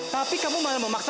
tapi kamu malah membuatnya